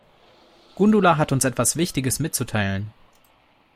Gundula hat uns etwas Wichtiges mitzuteilen.